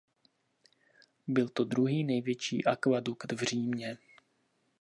Byl to druhý největší akvadukt v Římě.